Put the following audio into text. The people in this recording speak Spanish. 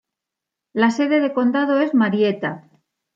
La sede de condado es Marietta.